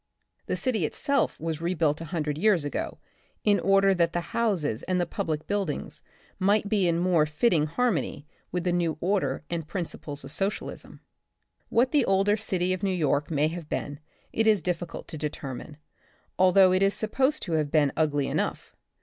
The city itself was rebuilt a hundred years ago, in order that the houses and the public buildings might be in more fitting har mony with the new order and principles of Socialism. What the older City of New York may have been, it is difficult to determine, although it is supposed to have been ugly enough.